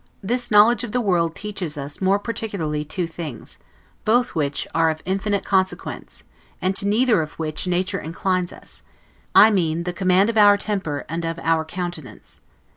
This knowledge of the world teaches us more particularly two things, both which are of infinite consequence, and to neither of which nature inclines us; I mean, the command of our temper, and of our countenance.